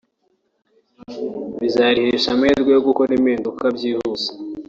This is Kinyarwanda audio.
bizarihesha amahirwe yo gukora impinduka byihuse